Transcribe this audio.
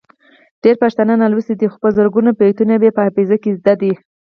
ډیری پښتانه نالوستي دي خو په زرګونو بیتونه یې په حافظه کې زده دي.